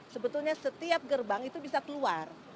sebetulnya setiap gerbang itu bisa keluar